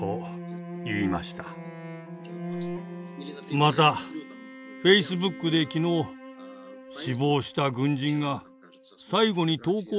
またフェイスブックで昨日死亡した軍人が最後に投稿した写真を見ました。